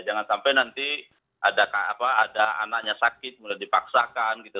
jangan sampai nanti ada anaknya sakit mulai dipaksakan gitu